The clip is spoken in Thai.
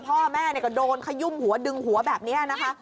พ่อแม่ก็โดนขยุ่มหัวดึงหัวแบบนี้นะคะ